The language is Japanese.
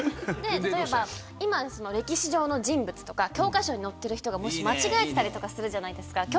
例えば、今、歴史上の人物とか教科書に載ってる人がもし、間違えてたりとかするじゃないですか。